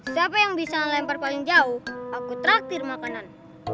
siapa yang bisa lempar paling jauh aku traktir makanan